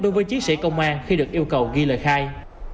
đối với chiến sĩ công an khi được yêu cầu ghi lời khai